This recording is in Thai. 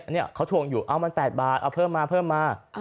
นี่เขาทวงอยู่เอามัน๘บาทเอาเพิ่มมาเพิ่มมา